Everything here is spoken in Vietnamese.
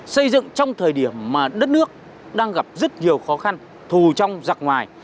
xây dựng trong thời điểm mà đất nước đang gặp rất nhiều khó khăn thù trong giặc ngoài